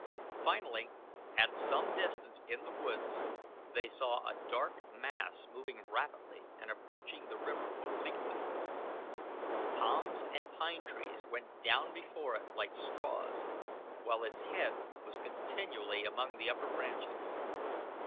Finally, at some distance in the woods they saw a dark mass moving rapidly and approaching the river obliquely. Palms and pine trees went down before it like straws, while its head was continually among the upper branches.